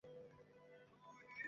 সবকিছু ধূম্রজালের মতো!